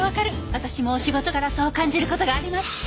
私も仕事柄そう感じる事があります。